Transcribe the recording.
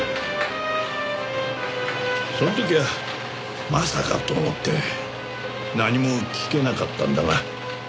その時はまさかと思って何も聞けなかったんだが。